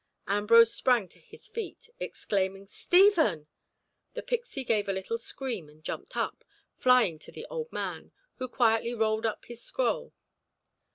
Ambrose sprang to his feet, exclaiming, "Stephen!" The pixy gave a little scream and jumped up, flying to the old man, who quietly rolled up his scroll.